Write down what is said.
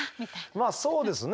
まあそうですね。